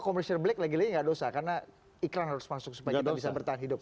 commercial black lagi lagi nggak dosa karena iklan harus masuk supaya kita bisa bertahan hidup